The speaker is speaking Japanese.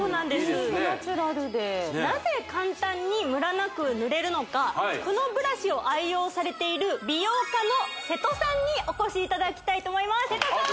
ホントナチュラルでなぜ簡単にムラなく塗れるのかこのブラシを愛用されている美容家の瀬戸さんにお越しいただきたいと思います瀬戸さん！